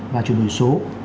và chuyển đổi số